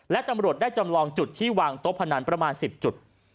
และตำรวจได้จำลองจุดที่วางโต๊ะพนันประมาณ๑๐จุด